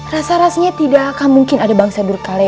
rasa rasanya tidak akan mungkin ada bangsa berkale